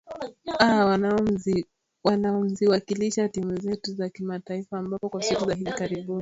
aa wanaoziwakilisha timu zetu za kimataifa ambapo kwa siku za hivi karibuni victor